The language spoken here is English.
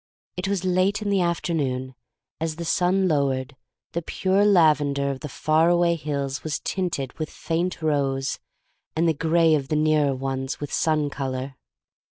It was late in the afternoon. As the sun lowered, the pure lavender of the far away hills was tinted with faint rose, and the gray of the nearer ones with sun color.